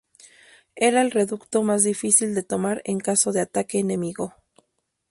Era el reducto más difícil de tomar en caso de ataque enemigo.